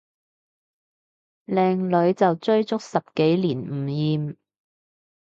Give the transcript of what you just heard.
靚女就追足十幾年唔厭